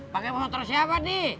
pake motor siapa di